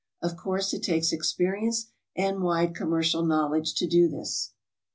Of course it takes experience and wide commercial knowledge to do this.